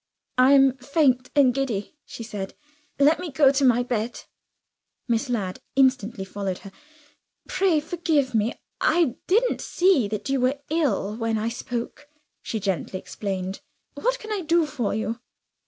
"I am faint and giddy," she said; "let me go to my bed." Miss Ladd instantly followed her. "Pray forgive me! I didn't see you were ill, when I spoke," she gently explained. "What can I do for you?"